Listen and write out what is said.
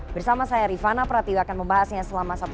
bersama saya rifana pratib akan membahasnya selama satu lima jam